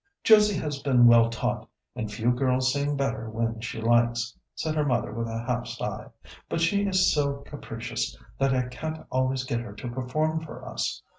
"Josie has been well taught, and few girls sing better when she likes," said her mother with a half sigh; "but she is so capricious that I can't always get her to perform for us.